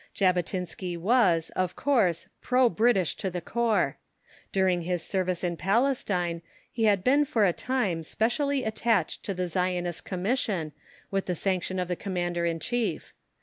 Jabotinsky was, of course, pro British to the core. During his service in Palestine he had been for a time specially attached to the Zionist Commission with the sanction of the Commander in Chief.